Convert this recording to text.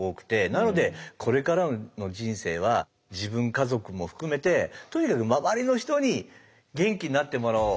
なのでこれからの人生は自分家族も含めてとにかく周りの人に元気になってもらおう。